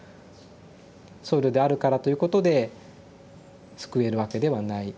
僧侶であるからということで救えるわけではない。